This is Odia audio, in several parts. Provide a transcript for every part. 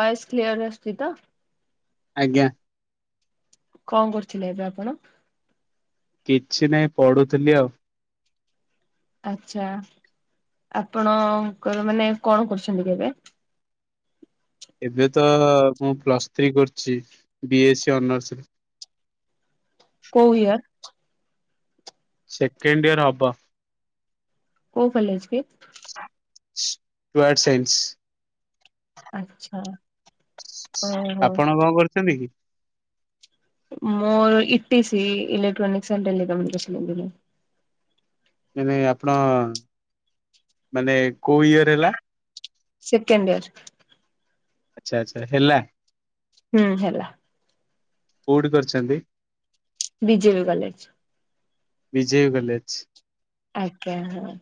ଭଏସ୍ କ୍ଲିୟର ଆସୁଚି ତ? ଆଜ୍ଞା। କଣ କରୁଥିଲେ ଏବେ ଆପଣ? କିଛି ନାହିଁ ପଢୁଥିଲି ଆଉ। ଆଛା, ଆପଣଙ୍କ କ ମାନେ କଣ କରୁଛନ୍ତି କି ଏବେ? ଏବେ ତ ମୁଁ ପ୍ଲସ୍ ଥ୍ରୀ କରୁଚି, ବି ଏସ୍ ସ ଅନର୍ସରେ। କୋଉ ଇଅର? ସେକେଣ୍ଡ ଇୟର ହବ। କଉ କଲେଜ କି? ଟୁ ଆଟ ସାଇନ୍ସ। ଆଚ୍ଛା ଓହୋ ଆପଣ କଣ କରୁଛନ୍ତି କି? ମୋର ଇଟିସି, ଏଲେକ୍ଟ୍ରାନିକକ୍ଣ୍ଟ ଗମ ଦିନ ମାନେ ଆପଣ ମାନେ କୋଉ ଇୟର ହେଲା? Second year. ଆଚ୍ଛା, ଆଚ୍ଛା, ହେଲା? ହୁଁ, ହେଲା। କୋଉଠି କରିଛନ୍ତି? BJP college. BJP college? ଆଜ୍ଞା, ହଁ।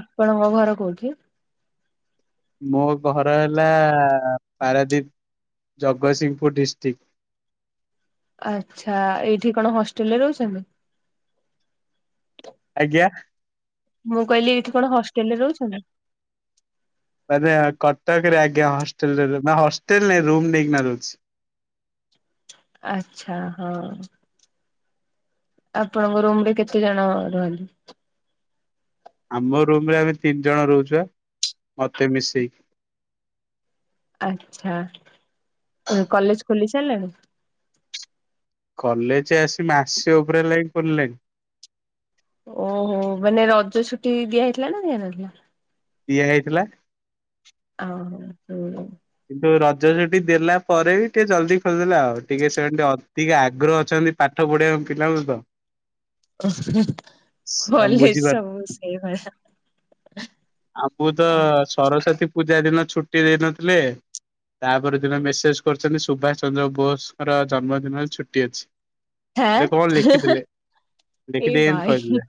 ଆପଣଙ୍କ ଘର କୋଉଠି? ମୋ ଘର ହେଲା ପାରାଦୀପ, ଜଗତସିଂହପୁର ଡିଷ୍ଟ୍ରିକ୍ଟ। ଆଚ୍ଛା, ଏଇଠି କଣ ହଷ୍ଟେଲ ରେ ରହୁଛନ୍ତି? ଆଜ୍ଞା? ମୁଁ କହିଲି, ଏଇଠି କଣ ହଷ୍ଟେଲ ରେ ରହୁଛନ୍ତି? ଆରେ କଟକରେ ଆଜ୍ଞା ହଷ୍ଟେଲରେ ରହୁ, ନା ହଷ୍ଟେଲ ନାଇଁ ରୁମ ନେଇକିନା ରହୁଚି। ଆଚ୍ଛା, ହଁ। ଆପଣଙ୍କ ରୁମ ରେ କେତେ ଜଣ ରୁହନ୍ତି? ଆମ ରୁମ ରେ ଆମେ ତିନି ଜଣ ରହୁଚୁ ବା, ମତେ ମିଶେଇକି। ଆଛା। କଲେଜ ଖୋଲି ସାରିଲାଣି? କଲେଜ ଆସି ମାସେ ଉପରେ ହେଲାଣି ଖୋଲିଲାଣି। ଓହୋ, ମାନେ ରଜ ଛୁଟି ଦିଆ ହେଇଥିଲା ନା ଦିଆହେଇନଥିଲା? ଦିଆ ହେଇଥିଲା। ଓୋ [unintelligible] କିନ୍ତୁ ରଜରେ ବି ଦେଲା ପରେ ବି ଟିକେ ଜଲ୍ଦି ଖୋଲିଦେଲା ଆଉ ଟିକେ ସେମାନେ ଟିକେ ଅଧିକା ଆଗ୍ରହ ଅଛନ୍ତି। ପାଠ ପଢିବାକୁ ପିଲା ବେଳୁ ତ। ଓ ହୁଁ ଆମେ କଲେଜ୍ ବୁଝିପାରୁ ସବୁ ସେଇଭଳିଆ। ଆମକୁ ତ ସରସ୍ଵତୀ ପୂଜା ଦିନ ଛୁଟି ଦେଇନଥିଲେ। ତାପର ଦିନ ମେସେଜ୍ କରିଚନ୍ତି ସୁଭାଷ ଚନ୍ଦ୍ର ବୋଷଙ୍କର ଜନ୍ମଦିନରେ ଛୁଟି ଅଛି। ଏଟା କଣ ହାଁ ଲେଖିଥିଲେ ଏଇ ଦେଖିଦେଇକି ଏମିତି ଭାଇ କହିଥିଲେ।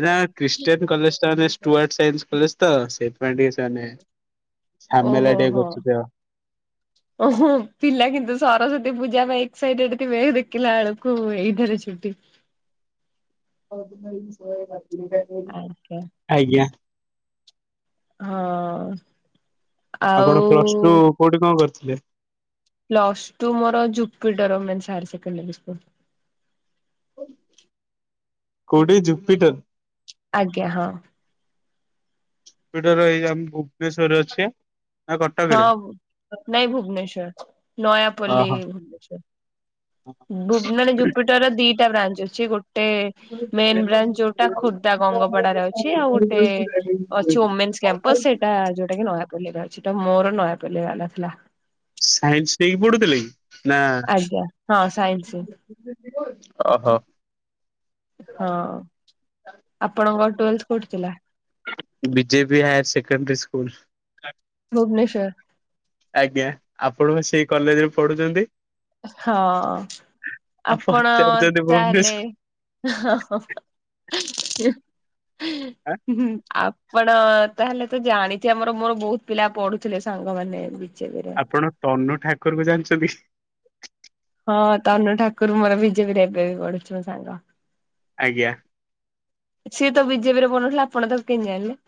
ଏଟା ଖ୍ରୀଷ୍ଟିୟାନ୍ କଲେଜ୍ ତାହେନେ ଷ୍ଟୁଆାର୍ଟ ସାଇନ୍ସ କଲେଜ୍ ତ ସେଇଥିପାଇଁ ଟିକେ ସେମାନେ ଝାମେଲା ଟିକେ କରୁଚନ୍ତି ଆଉ। ହ [unintelligible] ଓହୋ ପିଲା କିନ୍ତୁ ସରସ୍ଵତୀ ପୂଜା ପାଇଁ ଏକ୍ସସାଇଟେଡ୍ ଥିବେ ଦେଖିଲା ବେଳକୁ ଏଇଠାରେ ଛୁଟି। ହଉ ସେ [unintelligible] ଆଞା। ଆଜ୍ଞା। ହଁ ଆଉ ଆପଣ ପ୍ଲସ୍ ଟୁ କୋଉଠି କଣ କରିଥିଲେ? ପ୍ଲସଟୁ ମୋର ଜୁପିଟର ଓମେନ୍ସ ସାଇନ୍ସ କଲେଜ [unintelligible] କୋଉଠି ଜୁପିଟର। ଆଜ୍ଞା ହଁ। ଜୁପିଟର ଏଇ ଆମ ଭୁବନେଶ୍ଵରରେ ଅଛି। ନା କଟକରେ? ହଁ ନାଇଁ ଭୁବନେଶ୍ଵର ନୟାପଲ୍ଲି ଓହୋ। ଭୁବନେଶ୍ଵର। ଭୁବମଣି ଜୁପିଟର ର ଦିଟା ବ୍ରାଞ୍ଚ ଅଛି ଗୋ ଗୋଟେ ମେନ୍ ବ୍ରାଞ୍ଚ ଯୋଉଟା ଖୋର୍ଦ୍ଧା ଗଙ୍ଗପଡାରେ ଅଛି ଆଉ ଗୋଟେ ଅଛି ଓମେନ୍ସ କ୍ୟାମ୍। କ୍ୟାମ୍ଫସ୍ ସେଇଟା ଯୋଉଟା କି ନୟାପଲ୍ଲୀ ରେ ଅଛି ତ ମୋର ନୟାପଲ୍ଲୀ ବାଲା ଥିଲା। ସାଇନ୍ସ ନେଇକି ପଢୁଥିଲେ କି ନା ଆଜ୍ଞା ହଁ ସାଇନ୍ସ [unintelligible] ଅହ। ହଁ ଆପଣଙ୍କ ଟୁଏଲତ୍ଥ କୋଉଠି ଥିଲା? BJP higher secondary school. Bhubaneswar. ଆଜ୍ଞା ଆପଣ ପା ସେ କଲେଜରେ ପଢୁଚନ୍ତି। ହଁ ଆଉ ଆପଣ ପଚାରୁଛନ୍ତି ତାହେଲେ ଭୁବନେଶ୍ୱର ହଁ ହଁ ଆପ୍ ଆପଣ ତାହେଲେ ତ ଜାଣି ଥିବେ ଆମର ମୋର ମୋର ବହୁତ ପିଲା ପଢୁଥିଲେ ସାଙ୍ଗମାନେ ବିଜେପିରେ। ଆପଣ ତନୁ ଠାକୁର କୁ ଜାଣିଛନ୍ତି। ହଁ ତନୁ ଠାକୁର ମୋର ବିଜେପି ରେ ଏବେ ବି ପଢୁଛି ମୋ ସାଙ୍ଗ। ଆଜ୍ଞା। ସିଏ ତ ବିଜେପିରେ ପଢୁନଥିଲା ଆପଣ ତାକୁ କେମିତି ଜାଣିଲେ।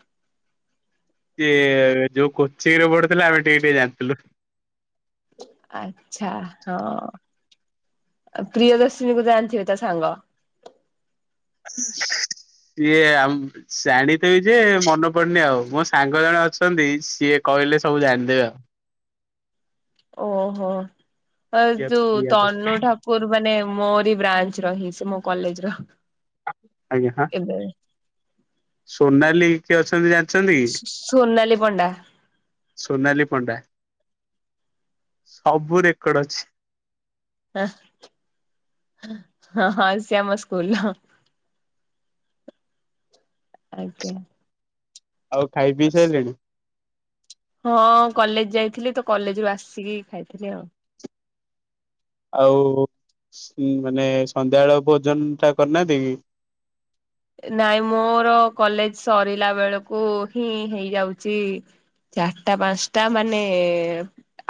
ସିଏ ଯୋଉ କୋଚିଂରେ ପଡୁଥିଲା ଆମେ ଟିକେ ଟିକେ ଜାଣିଥିଲୁ। ଆଚ୍ଛା ହଁ ପ୍ରିୟଦର୍ଶିନୀ କୁ ଜାଣିଥିବେ ତା ସାଙ୍ଗ। ସିଏ ଆମ ଜାଣିଥିବି ଯେ ମନେ ପଡୁନି ଆଉ ମୋ ସାଙ୍ଗ ଜଣେ ଅଛନ୍ତି ସିଏ କହିଲେ ସବୁ ଜାଣିଦେବେ ଆଉ। ଓହୋ ପ୍ରିୟା ଯଉ ପ୍ରିୟା ଦତ୍ତ ତନୁ ଠାକୁ ରୁ ମାନେ ମୋରି ବ୍ରାଞ୍ଚ ର ହିଁ ସେ ମୋ କଲେଜ ର। ଆଜ୍ଞା ହଁ। ଏବେ। ସୋନାଲି କିଏ ଅଛନ୍ତି ଜାଣିଛନ୍ତି? ସୋନାଲି ପଣ୍ଡା ସୋନାଲି ପଣ୍ଡା ସବୁ ରେକର୍ଡ ଅଛି। ହ ହଁ ହଁ ସେ ଆମ ସ୍କୁଲ ର। ଆଜ୍ଞା। ଆଉ ଖାଇ ପିଇ ସାଇଲେଣି? ହଁ କଲେଜ ଯାଇଥିଲି ତ କଲେଜରୁୁ ଆସିକି ଖାଇଥିଲି ଆଉ। ଆଉ ମାନେ ସନ୍ଧ୍ୟାବେଳ ଭୋଜନ ଟା କରିନାହାନ୍ତି କି? ନାଇଁ ମୋର କଲେଜ ସରିଲା ବେଳକୁ ହିଁ ହେଇଯାଉଛି ଚାରିଟା ପାଞ୍ଚଟା ମାନେ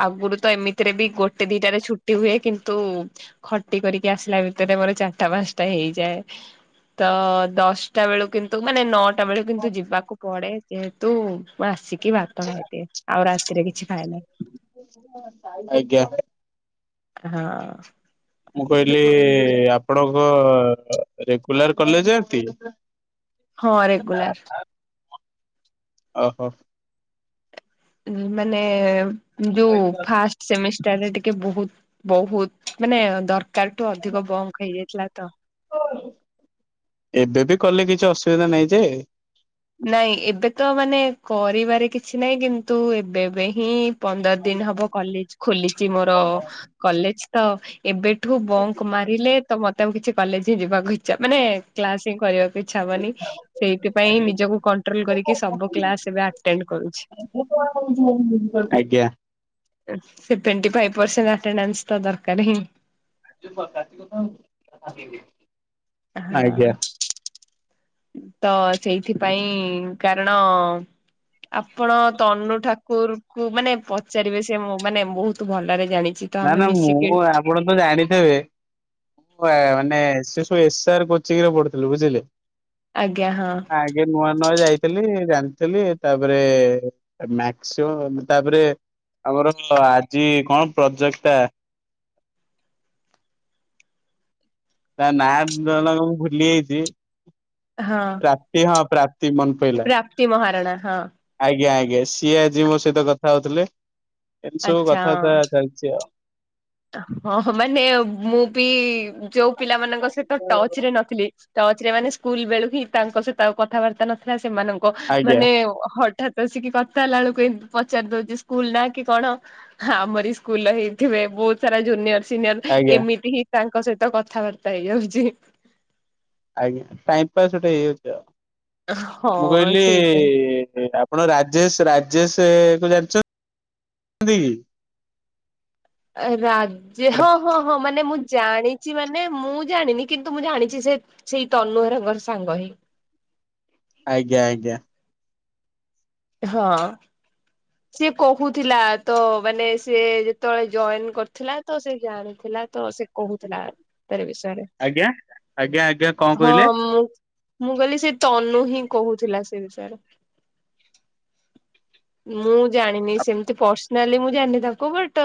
ଆଗରୁ ତ ଏମିତିରେ ବି ଗୋଟେ ଦିଟାରେ ଛୁଟି ହୁଏ କିନ୍ତୁ ଖଟି କରିକି ଆସିଲା ଭିତରେ ମୋର ଚାରିଟା ପାଞ୍ଚଟା ହେଇଯାଏ ତ ଦଶଟା ବେଳୁ କିନ୍ତୁ ମାନେ ନଅଟା ବେଳୁ କିନ୍ତୁ ଯିବାକୁ ପଡେ ଯେହେତୁ ମୁଁ ଆସି କି ଭାତ ଖାଇ ଦେଇଚି ଆଉ ରାତିରେ କିଛି ଖାଏ ନାଇଁ। ଆଜ୍ଞା। ହଁ। ମୁଁ କହିଲି ଆପଣଙ୍କ ରେଗୁଲାର କଲେଜ ଯାଆନ୍ତି? ହଁ ରେଗୁଲାର। ଅହ। ଉଁ ମାନେ ଯୋଉ ଫାଷ୍ଟ ସେମିଷ୍ଟାରରେ ଟିକେ ବହୁତ ବହୁତ ମାନେ ଦରକାର ଠୁ ଅଧିକ ବଙ୍କ୍ ହେଇଯାଇଥିଲା ତ। ଏବେ ବି କଲେ କିଛି ଅସୁବିଧା ନାଇଁ ଯେ। ନାଇଁ ଏବେ ତ ମାନେ କରିବାରେ କିଛି ନାଇଁ କିନ୍ତୁ ଏବେ ବେ ହିଁ। ପନ୍ଦର ଦିନ ହବ କଲେଜ ଖୋଲିଛି ମୋର କଲେଜ ତ ଏବେଠୁ ବଙ୍କ୍ ମାରିଲେ ତ ମତେ ଆଉ କିଛି କଲେଜ ହିଁ ଯିବାକୁ ମାନେ କ୍ଲାସ ହିଁ କରିବାକୁ ଇଚ୍ଛା ହବନି ସେଇଥିପାଇଁ ନି କୁ କଂଟ୍ରୋଲ କରିକି ସବୁ କ୍ଲାସ ଏବେ ଅଟ୍ଟେଣ୍ଡ କରୁଛି। ଆଜ୍ଞା ସେଭେଟ୍ୱଣ୍ଟିଫାଇଭ ପରସେଣ୍ଟ ଅଟ୍ଟେଣ୍ଡାନ୍ସ ତ ଦରକାର ହିଁ। ଯେଉଁ [inaudible] ଆଗେଇବେ। ହଁ ତ ସେଇଥିପାଇଁ କାରଣ ଆପଣ ତନୁ ଠାକୁରୁ କୁ ମାନେ ପଚାରିବେ ସେ ମୁଁ ମାନେ ବହୁତ ଭଲରେ ଜାଣିଚି। ନା ନା ମୁଁ ଆପଣ ତ ଜାଣିଥିବେ ଆଁ ମାନେ ସେ ସବୁ ଏସ୍ ଆର କୋଚିଂରେ ପଢୁଥିଲୁ ବୁଝିଲେ। ଆଜ୍ଞା ହଁ। ଆଗେ ନୂଆ ନୂଆ ଯାଇଥିଲି ଜାଣିଥେଲି ତାପରେ ମ୍ୟାକ୍ସ୍ଓ ତାପରେ ଆମର ଆଜି କଣ ପ୍ରଜୋକ୍ତା ତା ନା କଣ ମୁଁ ଭୁଲି ଆଇଚି। ହଁ। ପ୍ରାପ୍ତି ହଁ ପ୍ରାପ୍ତି ମନ ପଇଲା। ପ୍ରାପ୍ତି ମହାରଣା ହଁ। ଆଜ୍ଞା ଆଜ୍ଞା ସିଏ ଆଜି ମୋ ସହିତ କଥା ହଉଥିଲେ। ଏମତି ସବୁ ଆଚ୍ଛା କଥାବାର୍ତ୍ତା ଚାଲିଛି ଆଉ। ହଁ ହଁ ମାନେ ମୁଁ ବି ଯୋଉ ପିଲାମାନଙ୍କ ସହିତ ଟଚ୍ ରେ ନଥିଲି। ଟଚ୍ ରେ ମାନେ ସ୍କୁଲ ବେଳୁ ହିଁ ତାଙ୍କ ସହିତ ଆଉ କଥାବାର୍ତ୍ତା ନଥିଲା ସେମାନଙ୍କ ଆଜ୍ଞା ମାନେ ହଠାତ୍ ତ ଆସିକି କଥା ହେଲାଳକୁ ପଚାରି ଦଉଛି ସ୍କୁଲ ନା କି କଣ? ହଁ ଆମରି ସ୍କୁଲରେ ହେଇଥିବେ ବହୁତ୍ ସାରା ଜୁନିୟର ସିନିୟର ଆଜ୍ଞା ଏମିତି ହିଁ ତାଙ୍କ ସହିତ କଥାବାର୍ତ୍ତା ହେଇଯାଉଛି। ଆଜ୍ଞା। ଟାଇମ ପାସ୍ ଗୋଟେ ହେଇଯାଉଛି ଆଉ। ହଁ ମୁଁ କହିଲି ସେଇଟା। ଆପ୍ ଆପଣ ରାଜେଶ ରାଜେଶେ କୁ ଜାଣିଚନ୍ତି କି? ରାଜେ କି? ହଁ ହଁ। ହଁ ହଁ ମାନେ ମୁଁ ଜାଣିଚି ମାନେ ମୁଁ ଜାଣିନି କିନ୍ତୁ ମୁଁ ଜାଣିଛି ସେ ସେଇ ତନୁ [unintelligible] ସାଙ୍ଗ ହିଁ। ଆଜ୍ଞା ଆଜ୍ଞା। ହଁ। ସିଏ କହୁଥିଲା ତ ମାନେ ସିଏ ଯେତେବଳେ ଯଏନ କରିଥିଲା ତ ସେ ଜାଣିଥିଲା ତ ସେ କହୁଥିଲା ତାରି ବିଷୟରେ ଆଜ୍ଞା ଆଜ୍ଞା ଆଜ୍ଞା କଣ ହଁ କହିଲେ? ମୁଁ ମୁଁ କହିଲି ସେ ତନୁ ହିଁ କହୁଥିଲା ସେ ବିଷୟରେ। ମୁଁ ଜାଣିନି ସେମତି ପର୍ସନାଲି ମୁଁ ଜାଣିନି ତାଙ୍କୁ ବଟ୍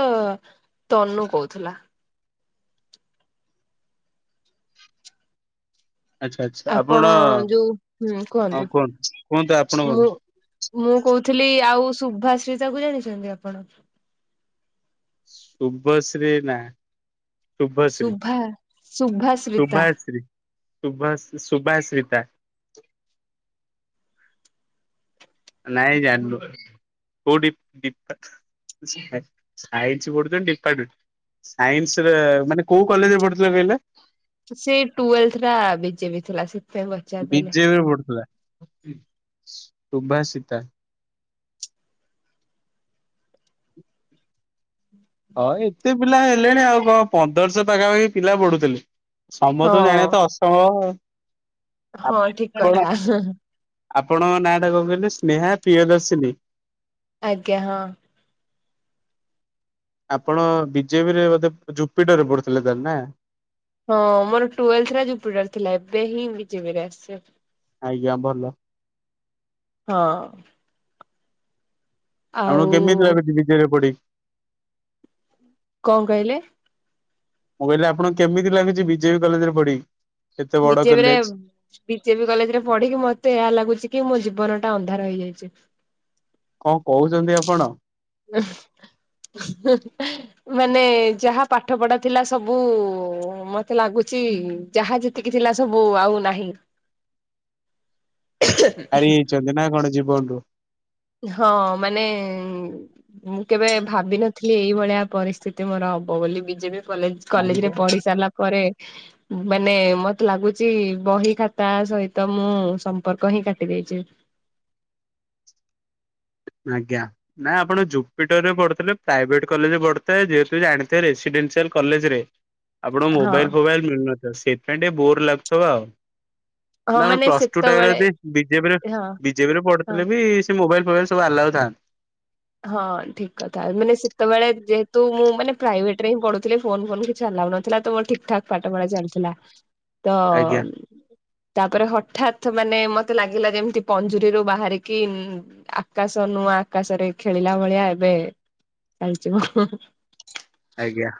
ତନୁ କହୁଥିଲା। ଆଚ୍ଛା ଆଚ୍ଛା ଆପଣ ଯୋଉ ହୁଁ ହଁ କୁହନ୍ତୁ କୁହନ୍ତୁ ଆପଣ କୁହନ୍ତୁ। ମୁଁ ମୁଁ କହୁଥିଲି ଆଉ ଶୁଭାଶ୍ରୀତା କୁ ଜାଣିଛନ୍ତି ଆପଣ? ଶୁଭଶ୍ରୀ? ନା। ଶୁଭଶ୍ରୀ? ଶୁଭା ଶୁଭାଶ୍ରୀତା ଶୁଭାଶ୍ରୀ? ଶୁଭାଶ୍ ଶୁଭାଶ୍ରୀତା। ନାଇଁ ଜାଣିନୁ କୋଉଠି [unintelligible] ସା ସାଇନ୍ସ ପଢୁଛନ୍ତି [unintelligible] ସାଇନ୍ସ ରେ ମାନେ କୋଉ କଲେଜରେ ପଢୁଥିଲେ କହିଲେ? ସେ ଟୁଏଲଥ୍ ଟା ବିଜେବି ଥିଲା ସେଥିପାଇଁ ବୋ ବିଜେବି ରେ ପଢୁଥିଲା? ସୁଭାସିତା। ହଁ ଏତେ ପିଲା ହେଲେଣି ଆଉ କଁ ପନ୍ଦରଶହ ପାଖାପାଖି ପିଲା ପଢୁଥିଲେ। ସମତକୁ ହଁ। ଜାଣିବା ତ ଅସମ୍ଭବ। ହଁ ଠିକ ଆପଣ କଥା ଆପଣଙ୍କ ନାଁ ଟା କଁ କହିଲେ ସ୍ନେହା ପ୍ରିୟଦର୍ଶିନୀ? ଆଜ୍ଞା ହଁ। ଆପଣ ବିଜେବି ରେ ବୋଧେ ଜୁପିଟର ରେ ପଢୁଥିଲେ ତାହାଲେ ନା। ହଁ ମୋର ଟୁଏଲଥ୍ ଟା ଜୁପୀଟର ଥିଲା ଏବେ ହିଁ ବିଜେବି ରେ ଆସଛି ଆଉ। ଆଜ୍ଞା ଭଲ। ହଁ। ଆମକୁ ଆଉ କେମିତି ଲାଗୁଛି ବିଜେବି ରେ ପଢ଼ିକି? କଁ କହିଲେ? ମୁଁ କହିଲି ଆପଣଙ୍କୁ କେମିତି ଲାଗୁଛି ବିଜେବି କଲେଜରେ ପଢିକି? ଏତେ ବଡ ବିଜେବି ରେ କଲେଜ? ବିଜେବି କଲେଜ ରେ ପଢିକି ମତେ ଏହା ଲାଗୁଛି କି ମୋ ଜୀବନ ଟା ଅନ୍ଧାର ହେଇଯାଇଛି। କଁ କହୁଛନ୍ତି ଆପଣ? ହିଁ ହିଁ ମାନେ ଯାହା ପାଠ ପଢା ଥିଲା ସବୁ ମତେ ଲାଗୁଚି ଯାହା ଜେ ତିକି ଥିଲା ସବୁ ଆଉ ନାହିଁ। ହାରି ଯାଇଛନ୍ତି ନା କଣ ଜୀବନରୁୁ? ହଁ ମାନେ ମୁଁ କେବେ ଭାବିିନଥିଲି ଏଇଭଳିଆ ପରିସ୍ଥିତି ମୋର ହବ ବୋଲି ବିଜେବି କଲେଜ କଲେଜ ମାରିଦେ। ରେ ପଢି ସାରିଲା ପରେ ମାନେ ମତେ ଲାଗୁଚି ବହି ଖାତା ସହିତ ମୁଁ ସମ୍ପର୍କ ହିଁ କାଟି ଦେଇଛି। ଆଜ୍ଞା। ନାଇଁ ଆପଣ ଜୁପିଟର ରେ ପଢ଼ୁଥିଲେ ପ୍ରାଇଭେଟ କଲେଜରେ ପଢ଼ିଥାଏ ଯେହେତୁ ଜାଣିଥାଏ ରେସିଡେନ୍ସିଆଲ କଲେଜ ରେ [inaudible] ଆପଣ ମୋବାଇଲି ଫୋବାଇଲ ମିଳି ନଥି ସେଇଥି ପାଇ ଟିକେ ବୋର ଲାଗୁଥିବ ଆଉ ହଁ ନା କଣ ମାନେ ପ୍ଲସ ଟୁ ସେତେବେଳେ [unintelligible] ବିଜେପିରେ ହଁ ବିଜେ ଯେବେ ରି ହଁ ପଢୁଥିଲେ ବି ସେ ମୋବାଇଲ ଫୋବାଇଲି ସବୁ ଆଲାଉ ଥାନ୍ତି ହଁ ଠିକ କଥା ମାନେ ସେତେବେଳେ ଯେହେତୁ ମୁଁ ମାନେ ପ୍ରାଇଭେଟ ରେ ହିଁ ପଢୁଥିଲି ଫୋନ ଫୋନ କିଛି ଆଲାଉନ ଥିଲା ତ ମୋର ଠିକ ଠାକ ପାଠ ପଢା ଚାଲିଥିଲା ତ ଆଜ୍ଞା ତାପରେ ହଠାତ୍ ମାନେ ମତେ ଲାଗିଲା ଯେମିତି ପଞ୍ଜୁରୀରୁ ବାହାରିକି ଉମୁ ଆକାଶ ନୂଆ ଆକାଶରେ ଖେଳିଲା ଭଳିଆ ଏବେ ଚାଲିଯିବ ହଁ ହଁ ଆଜ୍ଞା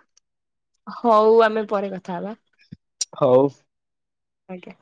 ହଉ ଆମେ ପରେ କଥା ହବା ହଉ ଆଜ୍ଞା